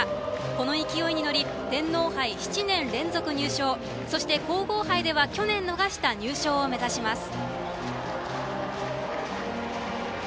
この勢いに乗り天皇杯７年連続入賞そして、皇后杯では去年逃した入賞を目指します。